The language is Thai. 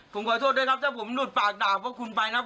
ผมขอโทษด้วยครับถ้าผมหลุดปากดาบพวกคุณไปนะครับ